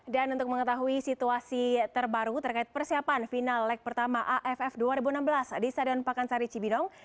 dan untuk mengetahui situasi terbaru terkait persiapan final leg pertama aff dua ribu enam belas di sadan pakansari cibinong